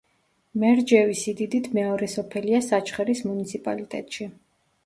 მერჯევი სიდიდით მეორე სოფელია საჩხერის მუნიციპალიტეტში.